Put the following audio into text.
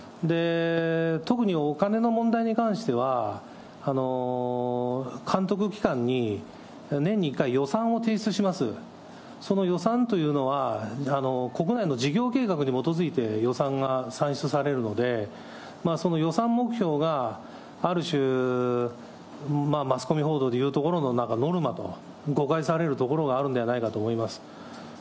特にお金の問題に関しては、監督機関に年に１回、予算を提出します、その予算というのは、国内の事業計画に基づいて予算が算出されるので、その予算目標がある種、マスコミ報道でいうところのなんかノルマと誤解されるようなところがあるのではないかと思います。